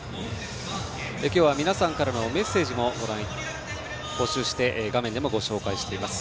今日は皆さんからのメッセージも募集して画面でもご紹介しています。